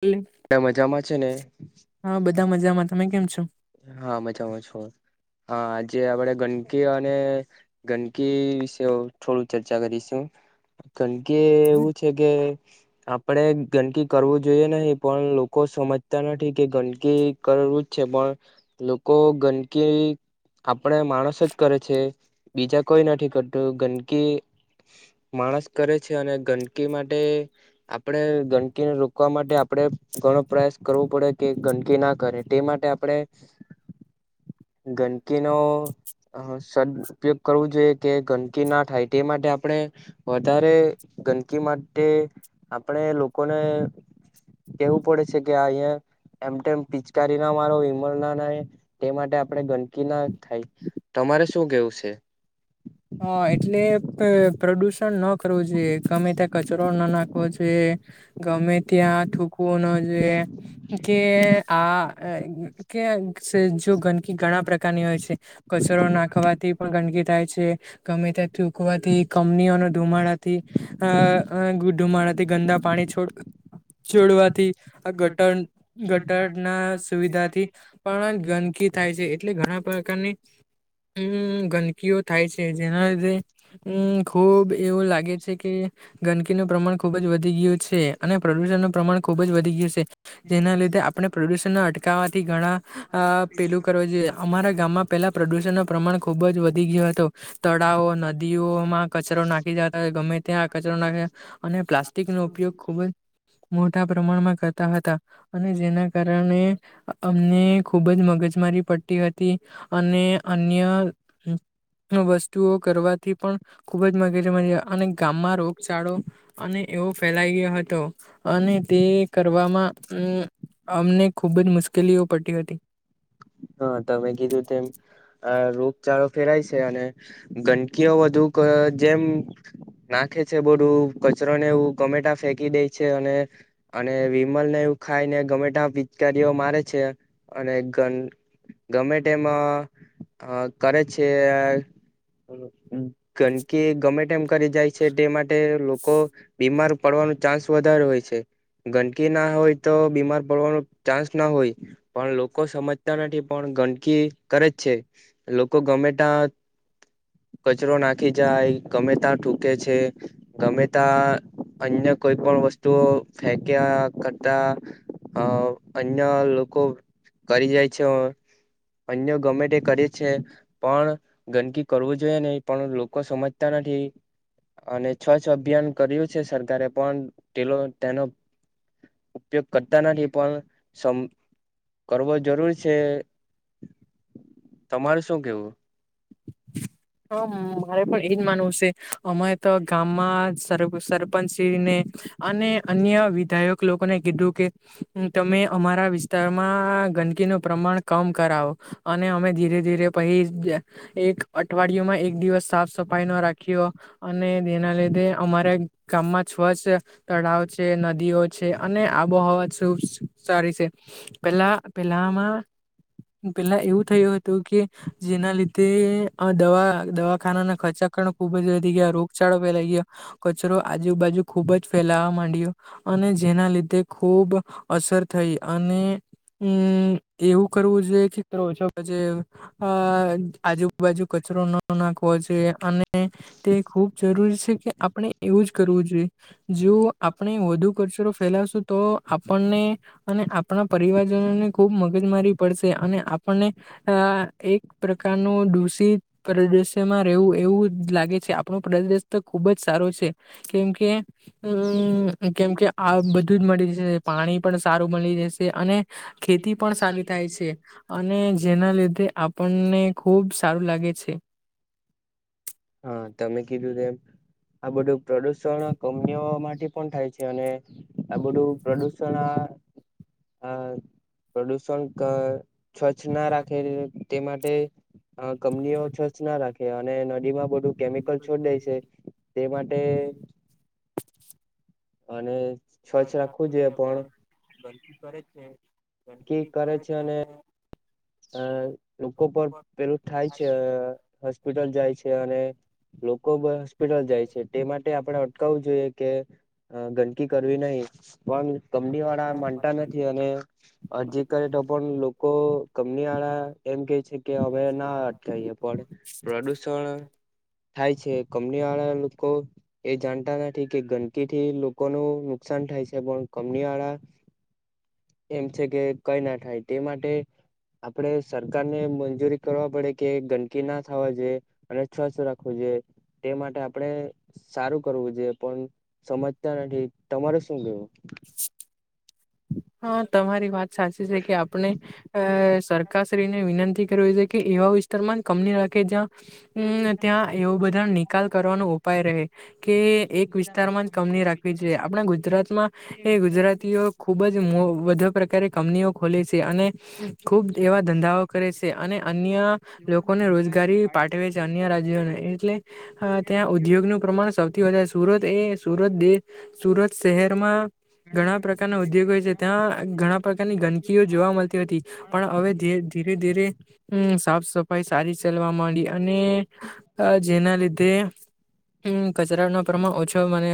એટલે એ મજામાં છે ને હા બધા મજામાં તમે કેમ છો? હા મજામાં છું હા આજે આપડે ગંદકી અને ગંદકી વિશે થોડું ચર્ચા કરીશું કંકે કે એવું છે કે આપણે ગંદકી કરવું જોઈએ નહી પણ લોકો સમજતા નથી કે ગંદકી કરવું જ છે પણ લોકો ગંદકી આપણે માણસ જ કરે છે બીજા કોઈ નથી કરતું ગંદકી માણસ કરે છે અને ગંદ કી માટે આપડે ગંદકીને રો કવા માટે આપડે ઘણો પ્રયાસ કરવો પડે કે ગંદકી ના કરે તે માટે આપડે ગંદકી નો સદ ઉપયોગ કરવો જોઈએ કે ગંદકી ના થાય તે માટે આપણે વધારે ગંદકી માટે આપણે લોકોને કેવું પડે છે કે અહિયાયા એમમ પિચકારી ના મારો ના ના તે માટે આપણે ગંદકી ના થાય મારે શું કેવું હા એટલે પ્રદુષણ ન કરવું જોઈએ ગમે ત્યાં કચરો ના નાખવો જોઈએ ગમે ત્યાં કો ન જે કે આ કે જો ગંદકી ઘણા પ્રકારની હોય છે કચરો નાખવાથી પણ ગંદકી થાય છે ગમે ત્યા થૂકવાથી કમનીઓને ધુમાડાથી અ ગુઢુમાણથી ગંદા પાણી છોડ જોડવાથી આ ગટર ગટર ના સુવિધાથી પણ ગંદકી થાય એટલે ઘણા પ્રકારની હમ ગંદકીઓ થાય છે જેના લીધે હમ ખુબ એવું લાગે છે કે ગંદકીનું પ્ર પ્રમા ખુબ જ વધી ગયું છે અને પ્રદૂષણનુંું પ્રમાણ ખુબ જ વધી ગયું છે જેના લીધે આપણે પ્રદૂષણને અટકાવવાથી ઘણા પેલું કરવું જોઈએ, અમારા ગામમાં પહેલાં પ્રદૂષણનું પ્રમાણ ખૂબ જ વધી ગયું હતો. તળાવ નદીઓમાં કચરો નાખી જતા ગમે ત્યાં કચરો નાખ અને પ્લાસ્ટિક નો ઉપયોગ ખૂબ જ મોટા પ્રમાણમાં કરતા હતા, અને જેના કારણે અમને ખુબ જ મગજમાં પતી હતી, અને અન્ય વસ્તુઓ કરવાથી પણ ખુબ જ મગેજમાં અને ગામમાં રોગચાળો અને એવો ફેલાઈ ગયો હતો, અને તે કરવામાં અમને ખૂબ જ મુશ્કેલીઓ પડી હતી. હા તમે કીધું તેમ રોગચાળો ફેરાય છે, અને ગંદકીઓ વધુ જેમ નાખે છે, બોડું કચરો ને એવું ટમેટા ફેંકી દે છે અને અને વિમલને એવું ખાઈ ને ગમેટા પિચકારીઓ મારે છે, અને ઘન ગમે તે એમ કરે છે. કારણ કે ગમે તેમમ કરી જાય છે તે માટે લોકો બીમાર પડવાનો ચાન્સ વધારે હોય છે. ગંદકી ના હોય તો બીમાર પડવાનો ચાન્સ ના હોય પણ લોકો સમજ નથી પણ ગંદકી કરે જ છે, લોકો ગમે તા કચરો નાખી જાય ગમે ત્યાં ટૂકે છે, ગમે ત્યાં અન્ય કોઈ પણ વસ્તુ ફેંક્યા કરતા હ અન્ય લોકો કરી જાય છે. અન્ય ગમે તે કરે છે, પણ ગંદકી કરવું જોઈએ નહી, પણ લોકો સમજતા નથી. ઠીક [inaudible] અને છ- છ અભિયાન કર્યું છે, સરકારે પણ ટેલો તેનો ઉપયોગ કરતા નથી પણ કરવો, જરૂરી છે, તમારું શું કેવું. હમ મારે પણ એજ માનવું છે, અમે તો ગામમાં શરમ. સરપંચ ને અને [inaudible] અન્ય વિધાયક લોકોને કીધું કે તમે અમારા તેમાં ગંદકીનું પ્રમાણ કમ કરાવો અને અમે ધીરે ધીરે પછી. એક અઠવાડિયયોમાં એક એક દિવસ સાફ સફાઈ ન રાખીયો અને તેના લીધે અમારા ગામમાં સ્વચ્છ તળાવ છે, નદીઓ છે, અને આબોહવા શુભ સારી છે, પેલા પેલામાં પેલા એવું થયું હતું કે જેના લીધે આ દવા દવાખાના ના ખર્ચા પણ ખુબ જ વધી ગયા રોગચાળો ફેલાઈ ગયો, કચરો આજુબાજુ ખુબ જ ફેલા લાવવા માંડયો અને જેના લીધે ખુબ અસર થઈ અને હમ્મ એવું કરવું જોઈએ, કે કરો ઓછો અ અ આજુબાજુ કચરો ન નાખવો જોયે અને તે ખૂબ જરૂરી છે કે આપ આપણે એવું જ કરવું જોઈએ, જો આપ આપણે વધુ કચરો ફેલાશું તો આપણને અને આપણા પરિવારજનોને ખુબ મ મગજમારી પડશે અને આપણને અ એક પ્ર કર નુ દુષિત પ્રદેશેમાં રહેવું એવું લાગે છે, આપણો પ્રદેશ તો ખુબ જ સારો છે. છે કેમકે હમ્મ કેમકે આ બધું જ મળી જાય પાણી પણ સારું મ--. મળી જશે અને ખેતી પણ સારી થાય છે, અને જેના લીધે આપણને ખુબ સારું લાગે છે. હા તમે કીધું તેમ આ બધું પ્રદુષણ કંપની ઓ માટે થાય છે, અને આ બધું પ્રદુષણ આ હ પ્રદૂષણ ક સ્વચ્છ ના રાખે તે માટે કંપની ઓ સ્વચ્છ ના રાખે અને નદીમાં બધું કેમિકલ છોડી દે છે, તે માટે અને ફથી રાખવું જોઈએ પણ ગંદકી કરે જ છે ગંદકી કરે છે અને અ લોકો પણ પેલું થાય છે હોસ્પિટલ જાય છે અને લોકો બ હોસ્પિટલ જાય છે તે માટે આપણે અટકાવવું જોઈએ કે હ ગંદકી કરવી નહી પણ કંપનીવાળા માનતા નથી અને અરજી કરે તો પણ લોકો નીયાળા એમ કે છે કે હેવે ના અટઈએ પણ પ્રદુષણ થાય છે કંપની વાળા લોકો એ જાણતા નથી કે ગંદકી થી લોકો નુ નુકસાન થાય છે પણ કંપનીવાળ [inaudible] એમ છે કે કઈ ના થાય તે માટે આપડે સરકાર ને મંજૂરી કરવા પડે કે ગંદકી ના થવા જોઈએ અને સ્વચ્છ રાખવું જોઈએ તે માટે આપણે સારું કરવું જોઈએ પણ સમજતા નથી તમારે શું ગયું [inaudible] હા તમારી વાત સાચી છે કે આપણે અ સરકારશ્રીને વિનંતી કરવી જોયે કે એવા વિસ્તારમાં કંપની રાખે જ્યાં ત્યાં એવું બધ નિકાલ કરવાનો ઉપાય રહે કે એક વિસ્તારમાં જ કમની રાખવી જોઈએ આપણા ગુજરાતમાં એ ગુજરાતીઓ ખુબ જ વધુ પ્રકારે કંપનીઓ ખોલે છે અને ખુબ એવા ધંધાઓ કરે છે અને અન્ય લોકોને રોજગારી પાઠવે છે અન્ય રાજ્યોને એટલે હ ત્યાં ઉદ્યોગનું પ્રમાણ સૌથી વધારે સુરત એ સુરત દ સુરત શહેરમાં ઘણા પ્રકારના ઉદ્યોગો હોય છે ત્યાં ઘણા પ્રકારની ગંદકીઓ જોવા મળતી હતી પણ હવે ધીરે ધીરે હમ્મ સાફ સફાઈ સારી સાલવા લ માંડી અને જેના લીધે હમ્મ કચરા નો પ્રમાણ ઓછો મને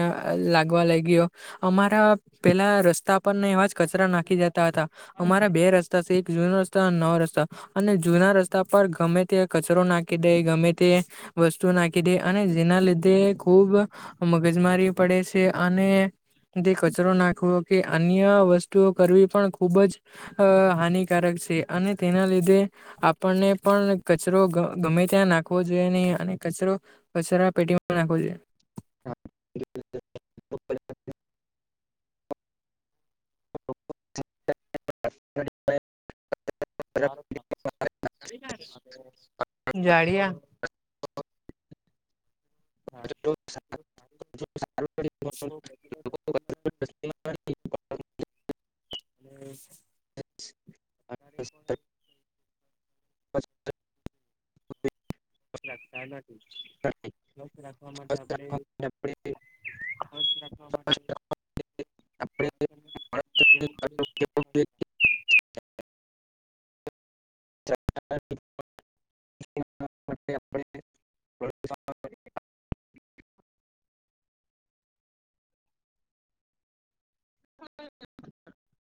લાગવા લાગયો અમારા પેલા રસ્તા પર ને એવાજ કચરા નાખી જતા હતા અમારા બે રસ્તા શે એક જૂનો રસ્તો અને નવો રસ્તો અને જૂના રસ્તા પર ગમે તે કચરો નાખી દે ગમે તે વસ્તુ નાખી દે અને જેના લીધે ખુબ મ બીજમારી પડે છે અને તે કચરો નાખવો કે અન્ય વસ્તુઓ કરવી પણ ખુબ જ હાનિકારક છે અને તેના લીધે આપણને પણ કચરો ગમે ત્યાં નાખવો જોઈએ નહી અને કચરો કચરા પેટી નાખવો જોયે [inaudible] [inaudible] [inaudible] જાડીયા [inaudible] [inaudible] [inaudible] [inaudible] [inaudible] [inaudible] [inaudible] હવશ્ય રાખવા માટે [inaudible] આ છે [inaudible] [inaudible]